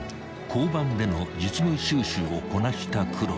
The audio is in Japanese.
［交番での実務修習をこなした黒田］